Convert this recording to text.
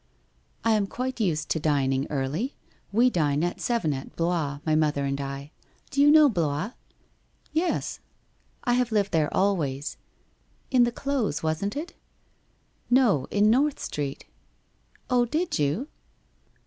' I am quite used to dining early. We dine at seven at Blois, my mother and I. Do you know Blois ?'< Yes.' ' I have lived there always/ 'In the close, wasn't it?' ' No, in North Street.' 1 Oh, did you